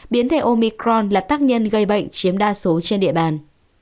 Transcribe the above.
biến thể omicron là tác nhân gây bệnh chiếm đa số trên địa bàn